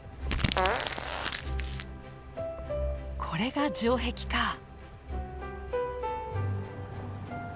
これが城壁か。